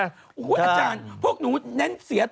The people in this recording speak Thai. โอ้โหอาจารย์พวกหนูเน้นเสีย